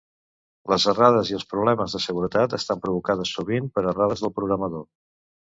Les errades i els problemes de seguretat estan provocades sovint per errades del programador.